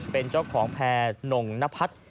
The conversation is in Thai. เป็นเจ้าของแผนงเหนาภัทร